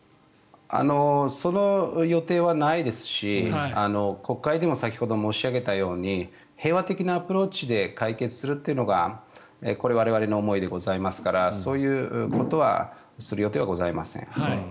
その予定はないですし国会でも先ほど申し上げたように平和的なアプローチで解決するというのが我々の思いでございますからそういうことはする予定はございません。